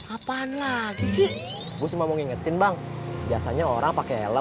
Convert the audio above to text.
apaan lagi sih gua semua mau ngingetin bang biasanya orang pakai helm lagi